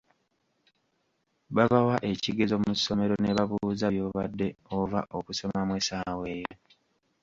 Babawa ekigezo mu ssomero ne babuuza by'obadde ova okusomamu essaawa eyo.